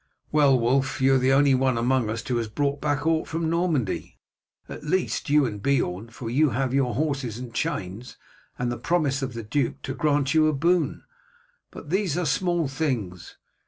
"Well, Wulf, you are the only one among us who has brought back aught from Normandy, at least you and Beorn, for you have your horses and chains, and the promise of the duke to grant you a boon. But these are small things.